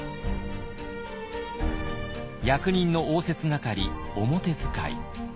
役人の応接係「表使」。